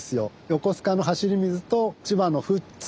横須賀の走水と千葉の富津。